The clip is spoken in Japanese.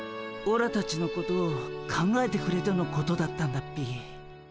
オラたちのことを考えてくれてのことだったんだっピィ。